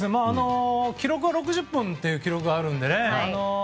記録は６０本という記録があるのでね。